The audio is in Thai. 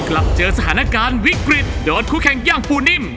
กลับเจอสถานการณ์วิกฤตโดนคู่แข่งอย่างปูนิ่ม